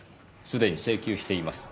すでに請求しています。